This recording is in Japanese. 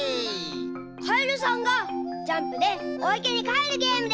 かえるさんがジャンプでおいけにかえるゲームです。